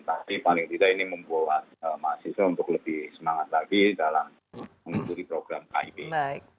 tapi paling tidak ini membuat mahasiswa untuk lebih semangat lagi dalam mengikuti program kib